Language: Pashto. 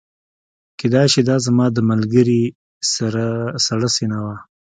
کیدای شي دا زما د ملګري سړه سینه وه